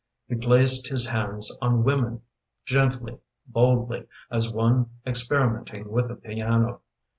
He placed his hands on women, Gently, boldly, as one Experimenting with a piano.